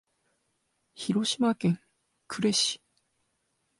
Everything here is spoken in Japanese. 広島県呉市